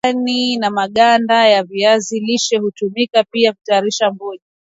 Majani na maganda ya viazi lishe hutumika pia kutayarisha mboji